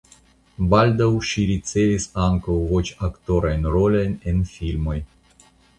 Baldaŭ ŝi ricevis ankaŭ voĉaktorajn rolojn en filmoj.